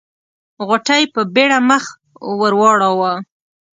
غوټۍ په بيړه مخ ور واړاوه.